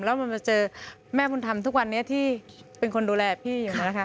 แล้วมันมาเจอแม่บุญธรรมทุกวันนี้ที่เป็นคนดูแลพี่อยู่นะคะ